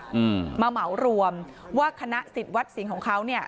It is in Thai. อืมมาเหมารวมว่าคณะสิทธิ์วัดสิงห์ของเขาเนี้ย